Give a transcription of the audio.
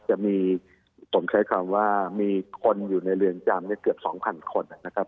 จะมีผมใช้คำว่ามีคนอยู่ในเรือนจำเกือบ๒๐๐คนนะครับ